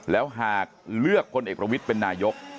แล้วหากเลือกคนเห็นเป็นนายก